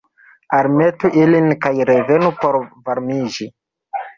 Almetu ilin, kaj revenu por varmiĝi.